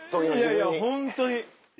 いやいやホントに！